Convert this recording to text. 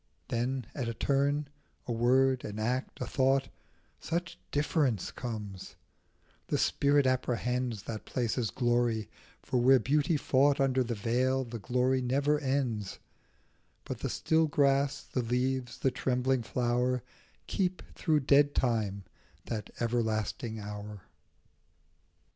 Then at a turn, a word, an act, a thought, Such difference comes ; the spirit apprehends That place's glory ; for where beauty fought Under the veil the glory never ends ; But the still grass, the leaves, the trembling flower Keep, through dead time, that everlasting hour.